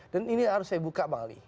dan ini harus saya buka bang ali